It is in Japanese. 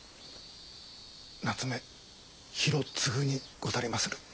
夏目広次にござりまする。